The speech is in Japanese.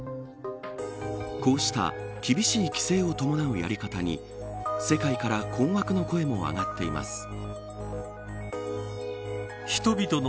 こうした厳しい規制を伴うやり方に世界から困惑の声も上がっています。